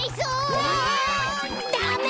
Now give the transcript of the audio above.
ダメ！